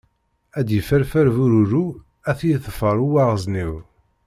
Ad yefferfer bururu ad t-yeḍfer uwaɣzniw.